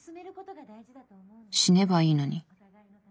死ねばいいのに。